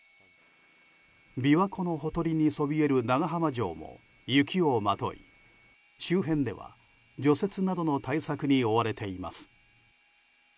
琵琶湖のほとりにそびえる長浜城も雪をまとい、周辺では除雪などの対策に追われています。